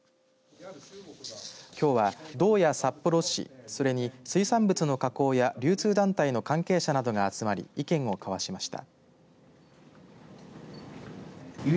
きょうは道や札幌市それに水産物の加工や流通段階の関係者などが集まり意見を交わしました。